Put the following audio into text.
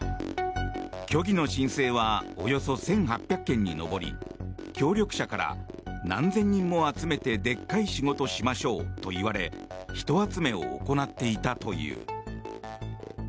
虚偽の申請はおよそ１８００件に上り協力者から、何千人も集めてでっかい仕事しましょうと言われ人集めを行っていたという。